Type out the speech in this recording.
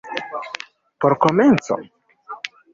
Por komenco?